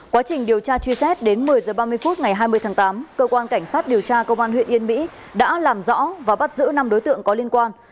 quá trình điều tra truy xét đến một mươi h ba mươi phút ngày hai mươi tháng tám cơ quan cảnh sát điều tra công an huyện yên mỹ đã làm rõ và bắt giữ năm đối tượng có liên quan